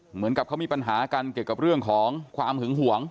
เหมือนกับเขามีปัญหากันเกี่ยวกับเรื่องของความหึงหวง